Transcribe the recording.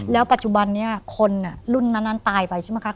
แล้วปัจจุบันนี้คนรุ่นนั้นตายไปใช่ไหมคะ